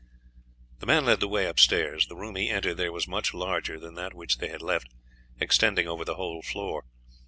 The man led the way upstairs. The room he entered there was much larger than that which they had left, extending over the whole floor.